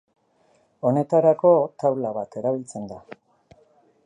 Honetarako taula bat erabiltzen da.